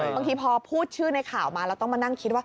บางทีพอพูดชื่อในข่าวมาเราต้องมานั่งคิดว่า